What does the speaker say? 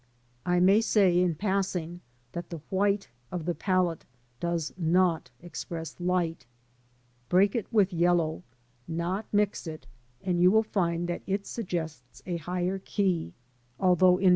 I may say in passing, that the white of the palette does not express light. Break it with yellow (not mix it) and you will find that it suggests a higher key, although in 8o LANDSCAPE PAINTING IN OIL COLOUR.